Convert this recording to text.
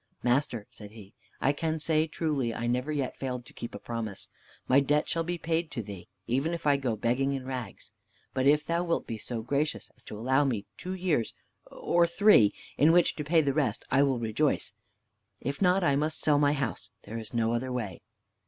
"Master," said he, "I can say truly, I never yet failed to keep a promise. My debt shall be paid to thee, even if I go begging in rags. But if thou wilt be so gracious as to allow me two years, or three, in which to pay the, rest, I will rejoice. If not, I must sell my house; there is no other way."